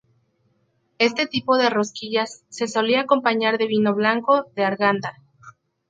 Este tipo de rosquillas se solía acompañar de vino blanco de Arganda.